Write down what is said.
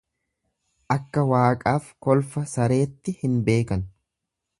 Akka Waaqaaf kolfa sareetti hin beekani.